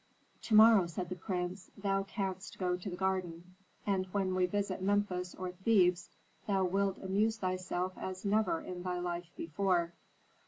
"To morrow," said the prince, "thou canst go to the garden; and when we visit Memphis or Thebes, thou wilt amuse thyself as never in thy life before.